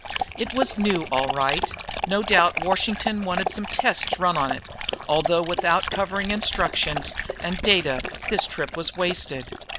It was new all right no doubt Washington wanted some tests run on it, although without covering instructions and data this trip was wasted.